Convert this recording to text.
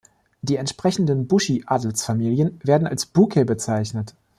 Die entsprechenden Bushi-Adelsfamilien werden als Buke bezeichnet.